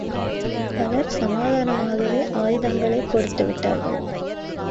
பலர் சமாதானமாகவே ஆயுதங்களைக் கொடுத்துவிட்டார்கள்.